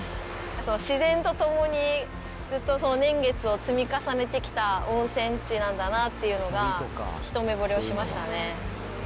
自然と共にずっと年月を積み重ねてきた温泉地なんだなっていうのが、一目ぼれをしましたね。